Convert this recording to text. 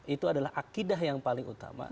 itu adalah akidah yang paling utama